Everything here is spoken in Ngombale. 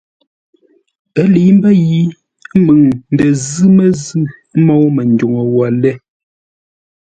Ə́ lə̌i mbə́ yi məŋ ndə zʉ́ məzʉ̂ môu Manduŋ wə́ lə́ lée.